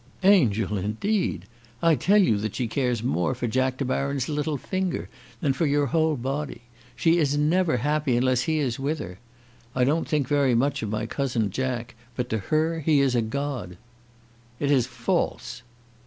Angel, indeed! I tell you that she cares more for Jack De Baron's little finger than for your whole body. She is never happy unless he is with her. I don't think very much of my cousin Jack, but to her he is a god." "It is false."